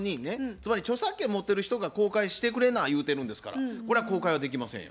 つまり著作権持ってる人が公開してくれな言うてるんですからこれは公開はできませんよ。